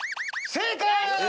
正解！